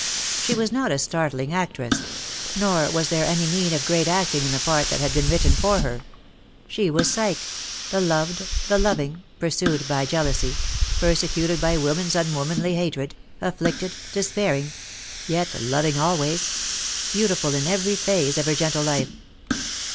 She was not a startling actress ; nor was there any need of great acting in the part that had been written for her. She was Psyche — the loved^ the loving, pursued by jealousy, persecuted by women^s unwo manly hatred, afflicted, despairing — yet loving always; beautiful in every phase of her gentle life.